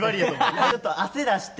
ちょっと汗出して。